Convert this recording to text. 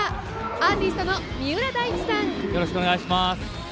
アーティストの三浦大知さん。